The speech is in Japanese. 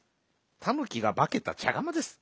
たぬきがばけたちゃがまです。